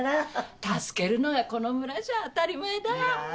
助けるのがこの村じゃ当たり前だ。